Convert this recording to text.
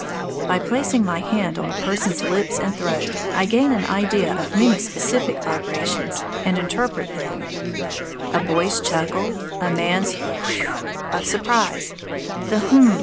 By placing my hand on a person's lips and throat, I gain an idea of many specific vibrations, and interpret them: a boy's chuckle, a man's "Whew!" of surprise, the "Hem!"